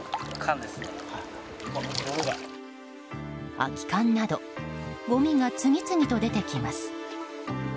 空き缶などごみが次々と出てきます。